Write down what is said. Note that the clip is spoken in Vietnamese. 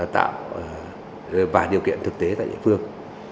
tạo và điều kiện thực tế tại địa phương